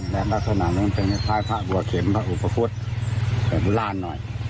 และลักษณะเนี่ยจะเหมือนถ้าภาพวัวเข็มพระอุปคุธในครุฑราณหน่อย